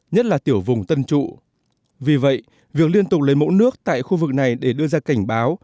nhất là tiểu vùng tân trụ vì vậy việc liên tục lấy mẫu nước tại khu vực này để đưa ra cảnh báo